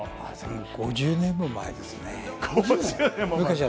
５０年ほど前ですね。